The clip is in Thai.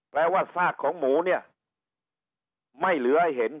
ว่าซากของหมูเนี่ยไม่เหลือให้เห็น